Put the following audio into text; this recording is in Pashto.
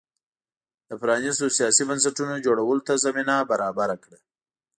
د پرانیستو سیاسي بنسټونو جوړولو ته زمینه برابره کړه.